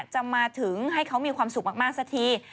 จะมาถึงให้เขามีความสุขมากสักที